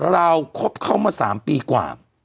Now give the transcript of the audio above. เราครบเข้ามา๓ปีกว่า